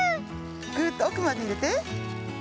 ぐっとおくまでいれて。